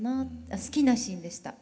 好きなシーンでした。